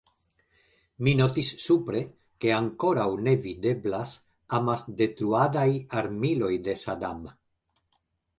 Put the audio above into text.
Mi notis supre, ke ankoraŭ ne videblas amasdetruadaj armiloj de Sadam.